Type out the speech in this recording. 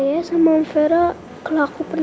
kalian itu mondok figur saja sumpah